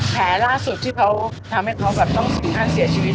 แผลล่าสุดที่ทำให้เขาต้องสิ่งค่าเสียชีวิต